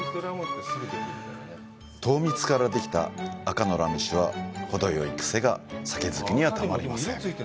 糖蜜からできた赤のラム酒は、ほどよいクセが酒好きにはたまりません。